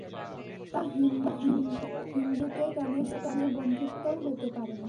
তা হলে তো হিন্দুতে খৃস্টানে বন্ধুত্বও হতে পারে না।